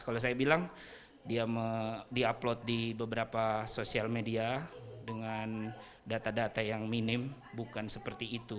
kalau saya bilang dia di upload di beberapa sosial media dengan data data yang minim bukan seperti itu